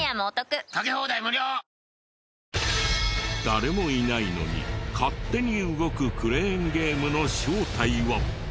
誰もいないのに勝手に動くクレーンゲームの正体は。